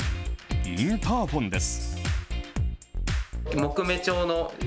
インターフォンです。